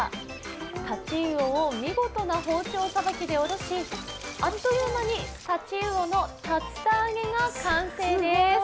太刀魚を見事な包丁さばきでおろし、あっという間に太刀魚の竜田揚げが完成です。